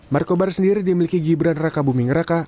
markobar sendiri dimiliki gibran raka buming raka